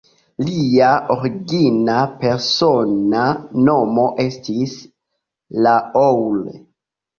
Lia origina persona nomo estis "Raoul".